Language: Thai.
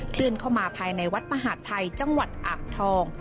เคลื่อนเข้ามาภายในวัดมหาธิทธ์ไทยจังหวัดอาคทอง